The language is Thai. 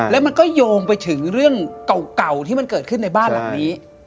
แล้วมันก็โยงไปถึงเรื่องเก่าที่มันเกิดขึ้นในบ้านหลังนี้